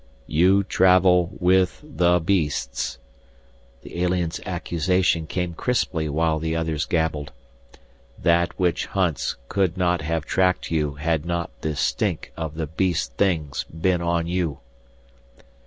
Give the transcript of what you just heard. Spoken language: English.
"You travel with the beasts " the alien's accusation came crisply while the others gabbled. "That which hunts could not have tracked you had not the stink of the beast things been on you."